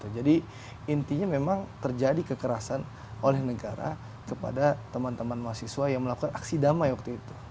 jadi intinya memang terjadi kekerasan oleh negara kepada teman teman mahasiswa yang melakukan aksi damai waktu itu